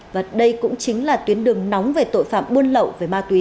và đây cũng chính là tuyến đường nóng về tội phạm buôn lậu về ma túy